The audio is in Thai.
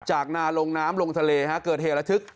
จากหน้าลงน้ำลงทะเลเกิดเหตุรธึก